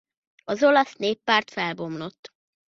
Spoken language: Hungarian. Az Olasz Néppárt felbomlott.